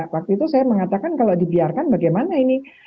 waktu itu saya mengatakan kalau dibiarkan bagaimana ini